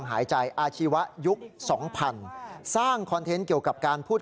แล้วเขามีการตอบสนองไหมครับตอนปั๊ม